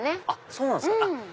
そうなんすか。